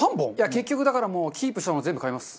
結局だからもうキープしたの全部買います。